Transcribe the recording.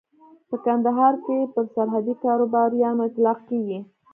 په کندهار کې پر سرحدي کاروباريانو اطلاق کېږي.